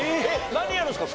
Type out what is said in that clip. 何やるんですか？